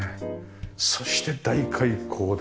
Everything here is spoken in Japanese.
そして大開口で。